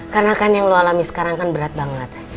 karena kan yang lo alami sekarang kan berat banget